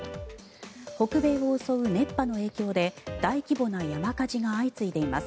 北米を襲う熱波の影響で大規模な山火事が相次いでいます。